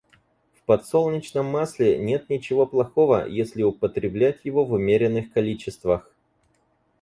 В подсолнечном масле нет ничего плохого, если употреблять его в умеренных количествах.